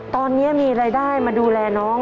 ตอนนี้มีรายได้มาดูแลน้อง